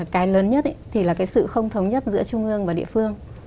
cái lớn nhất thì là cái sự không thống nhất giữa trung ương và địa phương